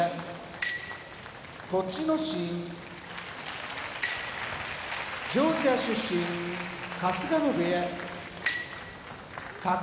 栃ノ心ジョージア出身春日野部屋宝